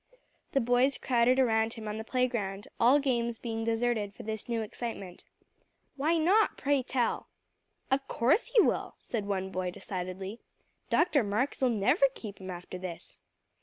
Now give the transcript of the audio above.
The boys crowded around him on the playground, all games being deserted for this new excitement. "Why not, pray tell?" "Of course he will," said one boy decidedly. "Dr. Marks never'll keep him after this."